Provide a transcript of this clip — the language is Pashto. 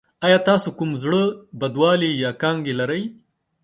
ایا تاسو کوم زړه بدوالی یا کانګې لرئ؟